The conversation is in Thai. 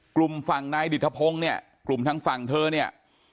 กลุ่มฝั่งนายดิตทพงศ์เนี่ยกลุ่มทางฝั่งเธอเนี่ย